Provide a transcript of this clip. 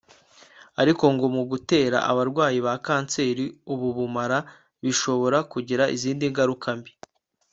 Ariko ngo mu gutera abarwayi ba cancer ubu bumara bishobora kugira izindi ngaruka mbi